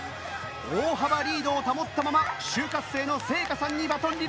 大幅リードを保ったまま就活生の聖夏さんにバトンリレー。